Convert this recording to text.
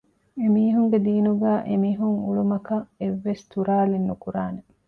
އެމީހުންގެ ދީނުގައި އެމިހުން އުޅުމަކަށް އެއްވެސް ތުރާލެއް ނުކުރާނެ